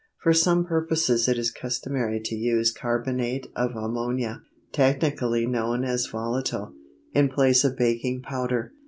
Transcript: For some purposes it is customary to use carbonate of ammonia, technically known as volatile, in place of baking powder.